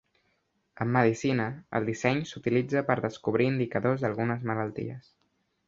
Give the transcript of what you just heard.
En medicina, el disseny s'utilitza per descobrir indicadors d'algunes malalties.